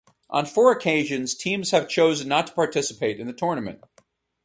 On four occasions teams have chosen not to participate in the tournament.